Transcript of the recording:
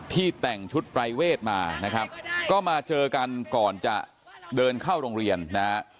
แต่งชุดปรายเวทมานะครับก็มาเจอกันก่อนจะเดินเข้าโรงเรียนนะฮะ